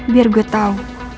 biar gue tau